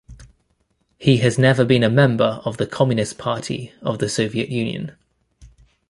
He has never been a member of the Communist Party of the Soviet Union.